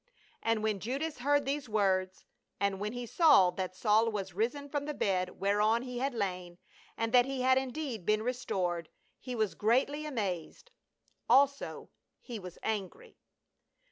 And when Judas heard these words, and when he saw that Saul was risen from the bed whereon he had lam, and that he had indeed been restored, he was greatly amazed, also he was angry.